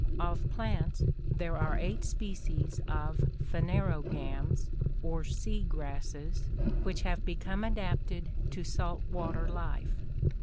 — Of plants there are eight species of phanerogams or sea grasses which have become adapted to salt water life.